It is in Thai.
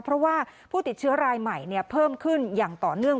เพราะว่าผู้ติดเชื้อรายใหม่เพิ่มขึ้นอย่างต่อเนื่อง